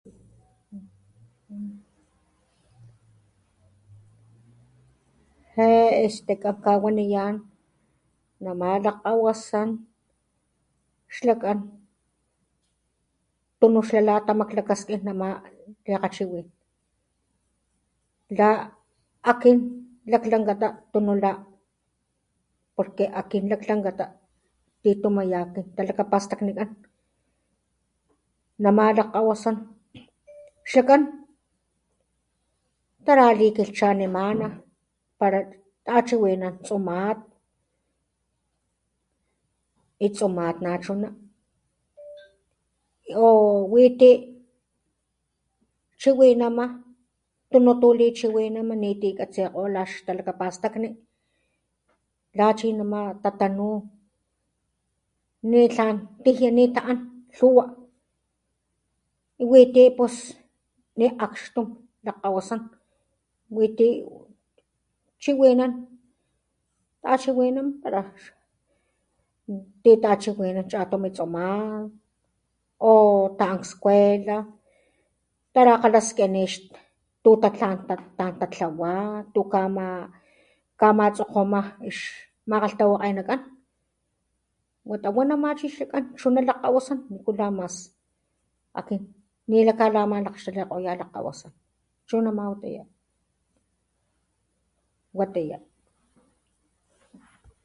Je kan este kan kawaniyán, namá lak kgawasán xlakán tunu xlá tamak klakaskin namá likgachiwin, la akin laklangatá tunu la porque akin laklangata titumayá kin talakapastakgnin, namá lak kgawasán , x lakán talakapastagnikán, namá lak kgawasan taralikilhchanimana para tachiwinan tsumat y tsumat nachuná, o witi chiwinama tunu tu lichiwinama niti katsikgo xtalakapastakgni la lachi nama tatanú ni tlán tijia ni ta an lhuwa,y witi pus ni akxtum lak kgawasán wi ti chiwinan tachiwinan para ti tachiwinan chatumi tsumat o ta an kskuela tarakalaskiní tu ta an ta tlawá, tu kama kamatsokgoma ix makgalhtawakgenakan watama nama chi xlakan lak kgawasan nikulá mas, akin ni la kamaslakgxtalikoyá lak kgawasán, chuná ma watiyá watiyá.